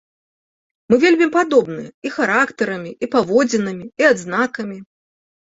Мы вельмі падобныя і характарамі, і паводзінамі, і адзнакамі.